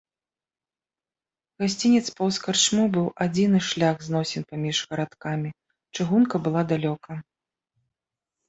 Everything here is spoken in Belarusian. Гасцінец паўз карчму быў адзіны шлях зносін паміж гарадкамі, чыгунка была далёка.